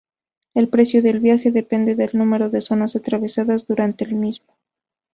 El precio del viaje depende del número de zonas atravesadas durante el mismo.